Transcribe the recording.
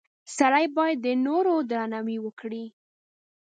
• سړی باید د نورو درناوی وکړي.